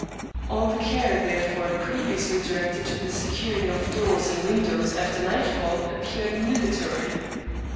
All the care, therefore, previously directed to the securing of doors and windows after nightfall appeared nugatory.